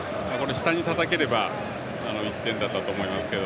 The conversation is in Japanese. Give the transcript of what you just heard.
下にたたければ１点だったと思いますけど。